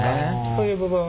そういう部分。